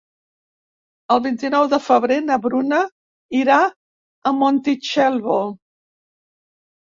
El vint-i-nou de febrer na Bruna irà a Montitxelvo.